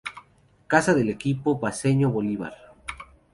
Casa del equipo paceño Bolívar.